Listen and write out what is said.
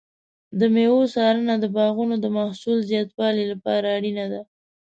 د مېوو څارنه د باغونو د محصول زیاتولو لپاره اړینه ده.